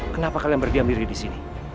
kenapa kalian berdiam diri di sini